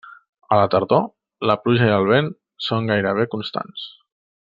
A la tardor, la pluja i el vent són gairebé constants.